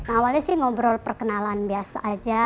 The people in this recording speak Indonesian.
awalnya sih ngobrol perkenalan biasa aja